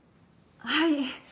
はい。